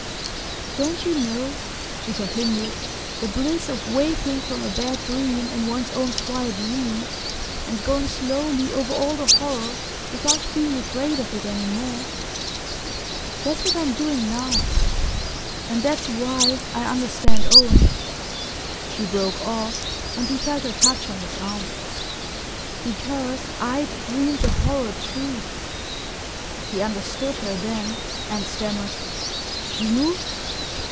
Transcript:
"Don't you know," she continued, "the bliss of waking from a bad dream in one's own quiet room, and going slowly over all the horror without being afraid of it any more? That's what I'm doing now. And that's why I understand Owen..." She broke off, and he felt her touch on his arm. "BECAUSE I'D DREAMED THE HORROR TOO!" He understood her then, and stammered: "You?"